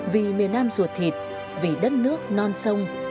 vì miền nam ruột thịt vì đất nước non sông